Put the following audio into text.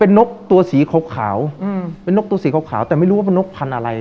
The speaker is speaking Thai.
นกตัวสีขาวเป็นนกตัวสีขาวแต่ไม่รู้ว่าเป็นนกพันธุ์อะไร